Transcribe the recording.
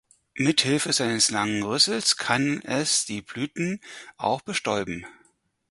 Mit Hilfe seines langen Rüssels kann es die Blüten auch bestäuben.